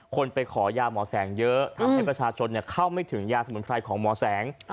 คนไปขอยาหมอแสงเยอะทำให้ประชาชนเข้าไม่ถึงยาสมุนไพรของหมอแสง